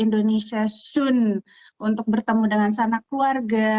indonesia soon untuk bertemu dengan sana keluarga